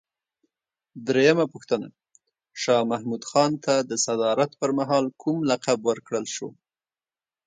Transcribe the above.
درېمه پوښتنه: شاه محمود خان ته د صدارت پر مهال کوم لقب ورکړل شو؟